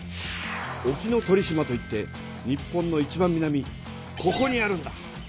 沖ノ鳥島といって日本のいちばん南ここにあるんだ。